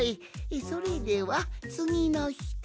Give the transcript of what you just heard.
それではつぎのひと！